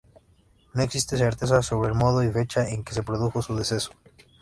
No existe certeza sobre el modo y fecha en que se produjo su deceso.